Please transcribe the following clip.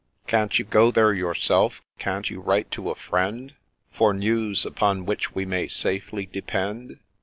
Can't you go there yourself ?— Can't you write to a friend, For news upon which we may safely depend